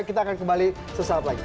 kita akan kembali sesaat lagi